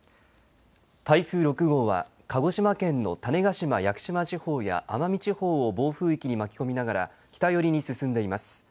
台風６号は鹿児島県の種子島・屋久島地方や奄美地方を暴風域に巻き込みながら北寄りに進んでいます。